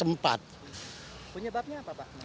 penyebabnya apa pak